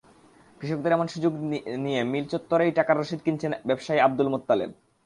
কৃষকদের এমন সুযোগ নিয়ে মিল চত্বরেই টাকার রসিদ কিনছেন ব্যবসায়ী আবদুল মোত্তালেব।